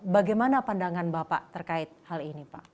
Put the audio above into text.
bagaimana pandangan bapak terkait hal ini pak